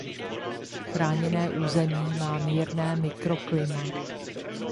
Chráněné území má mírné mikroklima.